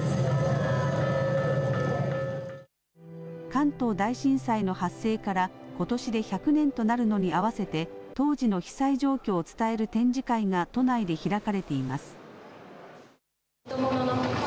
関東大震災の発生からことしで１００年となるのに合わせて当時の被災状況を伝える展示会が都内で開かれています。